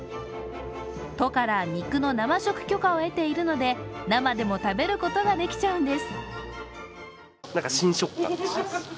都から肉の生食許可を得ているので生でも食べることができちゃうんです。